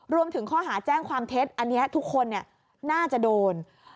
รวมถึงข้อหาแจ้งความเท็จอันนี้ทุกคนน่าจะโดน